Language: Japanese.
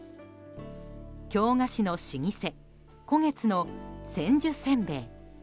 京菓子の老舗、鼓月の千寿せんべい。